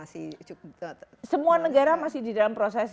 semua negara masih di dalam proses